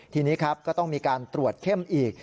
ทีนี้ครับก็ต้องมีการตรวจเข้มอีก